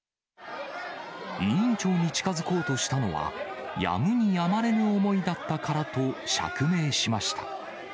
委員長に近づこうとしたのは、やむにやまれぬ思いだったからだと釈明しました。